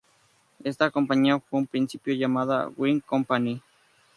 Esta compañía fue en principio llamada Wright Company.